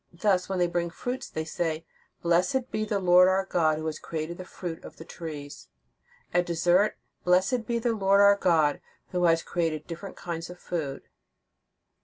Thus, when they bring fruits they say: "Blessed be the Lord our God, who has created the fruit of he trees." At dessert: "Blessed be the Lord our God, who has created different kinds of food."